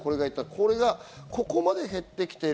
これがここまで減ってきている。